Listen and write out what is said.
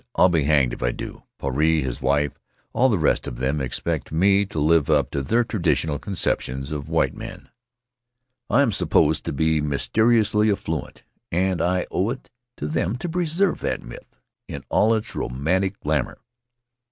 "I'll be hanged if I do! Puarei, his wife — all the rest of them — expect me to live up to their traditional conceptions of white men. I am supposed to be mysteriously affluent, and I owe it to them to preserve that myth in all its romantic glamour."